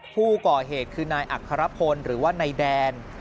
ผู้ก่อเหตุคือนายอัครพลหรือว่านายแดน